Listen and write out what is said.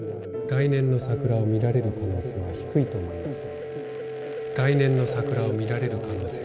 来年の桜を見られる可能性は低いと思います